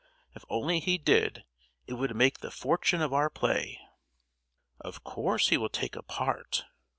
If only he did, it would make the fortune of our play!" "Of course he will take a part!